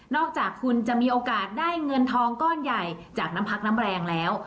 อกจากคุณจะมีโอกาสได้เงินทองก้อนใหญ่จากน้ำพักน้ำแรงแล้ว